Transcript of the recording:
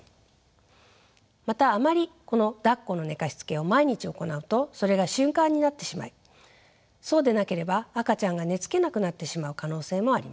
またあまりこのだっこの寝かしつけを毎日行うとそれが習慣になってしまいそうでなければ赤ちゃんが寝つけなくなってしまう可能性もあります。